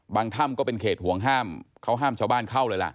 ถ้ำก็เป็นเขตห่วงห้ามเขาห้ามชาวบ้านเข้าเลยล่ะ